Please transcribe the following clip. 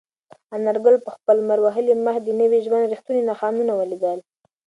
انارګل په خپل لمر وهلي مخ د نوي ژوند رښتونې نښانونه لرل.